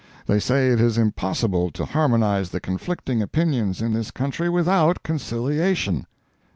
They say it is impossible to harmonize the conflicting opinions in this country without conciliation.